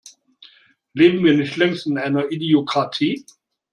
Leben wir nicht längst in einer Idiokratie?